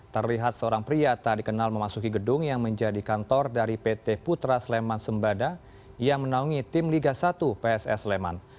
terlihat seorang pria tak dikenal memasuki gedung yang menjadi kantor dari pt putra sleman sembada yang menaungi tim liga satu pss leman